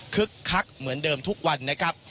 คึกคักเหมือนเดิมทุกวันนะครับ